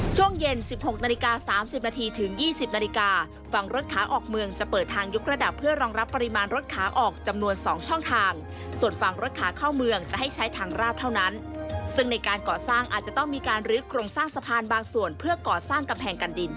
ช่วงเย็น๑๖นาฬิกา๓๐นาทีถึง๒๐นาฬิกาฝั่งรถขาออกเมืองจะเปิดทางยกระดับเพื่อรองรับปริมาณรถขาออกจำนวน๒ช่องทางส่วนฝั่งรถขาเข้าเมืองจะให้ใช้ทางราดเท่านั้นซึ่งในการก่อสร้างอาจจะต้องมีการลื้อโครงสร้างสะพานบางส่วนเพื่อก่อสร้างกำแพงกันดิน